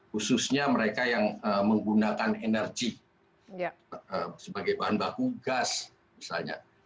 khususnya mereka yang menggunakan energi sebagai bahan baku gas misalnya